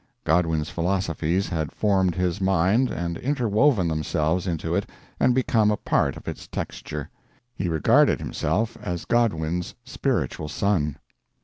Godwin's philosophies had formed his mind and interwoven themselves into it and become a part of its texture; he regarded himself as Godwin's spiritual son.